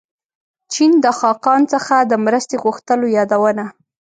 چین د خاقان څخه د مرستې غوښتلو یادونه.